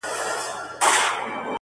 دا ستا د سترگو په كتاب كي گراني .